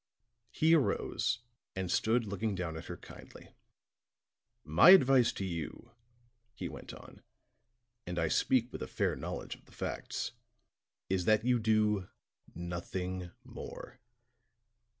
He arose and stood looking down at her kindly. "My advice to you," he went on "and I speak with a fair knowledge of the facts is that you do nothing more.